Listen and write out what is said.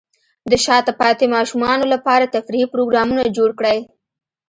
د شاته پاتې ماشومانو لپاره تفریحي پروګرامونه جوړ کړئ.